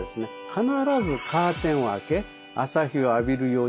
必ずカーテンを開け朝日を浴びるようにしましょう。